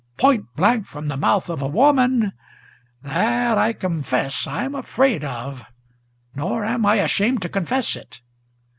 point blank from the mouth of a woman, That I confess I'm afraid of, nor am I ashamed to confess it!